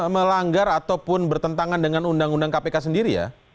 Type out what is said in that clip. melanggar ataupun bertentangan dengan undang undang kpk sendiri ya